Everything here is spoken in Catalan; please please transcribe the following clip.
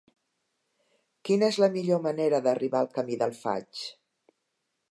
Quina és la millor manera d'arribar al camí del Faig?